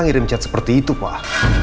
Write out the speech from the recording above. ngirim chat seperti itu wah